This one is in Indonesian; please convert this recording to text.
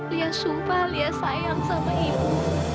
lihat sumpah lia sayang sama ibu